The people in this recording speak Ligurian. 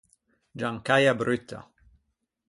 Giancaia brutta.